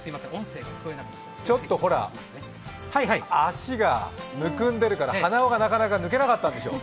ほら、足がむくんでるから鼻緒がなかなか抜けなかったんでしょう。